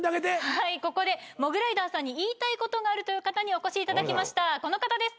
はいここでモグライダーさんに言いたいことがあるという方にお越しいただきましたこの方です